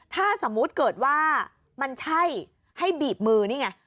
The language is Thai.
ถ้าสมมุติเกิดว่ามันใช่ให้บีบมือนี่ไง